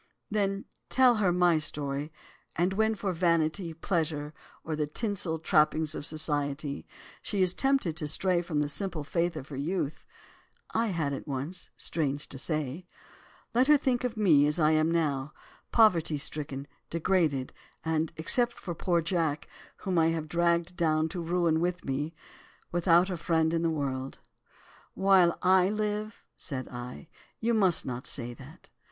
"'Then tell her my story, and when for vanity, pleasure, or the tinsel trappings of society she is tempted to stray from the simple faith of her youth (I had it once, strange to say), let her think of me as I am now, poverty stricken, degraded, and, except for poor Jack, whom I have dragged down to ruin with me, without a friend in the world.' "'While I live,' said I, 'you must not say that.